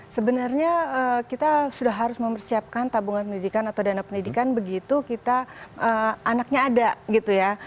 sebenarnya kita sudah harus mempersiapkan tabungan pendidikan atau dana pendidikan begitu kita anaknya ada gitu ya